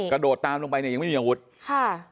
กระโดดตามลงไปเนี่ยยังไม่มีอาวุธค่ะ